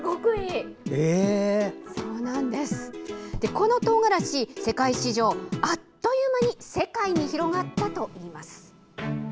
このトウガラシ世界史上、あっという間に世界に広がったといいます。